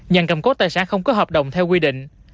nhận cầm cốt tài sản không có hợp đồng theo quy định